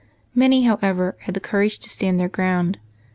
Many, however, had the courage to stand their ground.